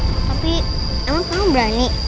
tapi emang kamu berani